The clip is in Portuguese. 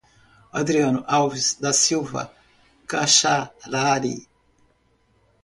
Adriano Alves da Silva Kaxarari